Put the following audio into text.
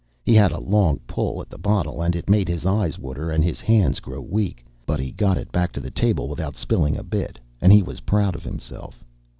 He had a long pull at the bottle, and it made his eyes water and his hands grow weak. But he got it back to the table without spilling a bit, and he was proud of himself.